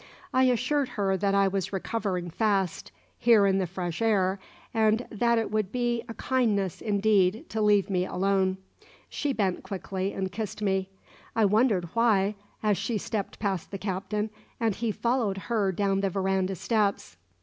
I assured her that I was recovering fast, here in the fresh air, and that it would be a kindness, indeed, to leave me alone. She bent quickly and kissed me. I wondered why, as she stepped past the Captain and he followed her down the verandah steps.